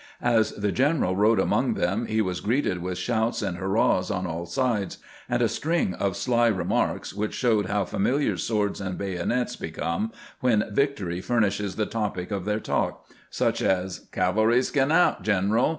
As the general rode among them he was greeted with shouts and hurrahs on all sides, and a string of sly remarks, which showed how familiar swords and bayonets become when victory furnishes the topic of their talk, such as " Cavalry 's gi'n out, general.